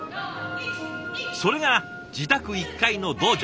それが自宅１階の道場。